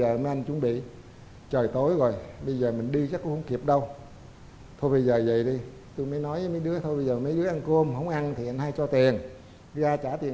ông giang cũng quyết định cắn tay người